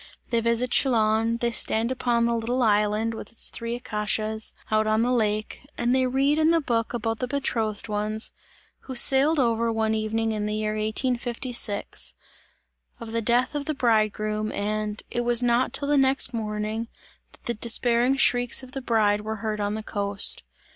They visit Chillon, they stand upon the little island, with its three acacias out on the lake and they read in the book about the betrothed ones, who sailed over one evening in the year 1856; of the death of the bridegroom, and: "it was not till the next morning, that the despairing shrieks of the bride were heard on the coast!"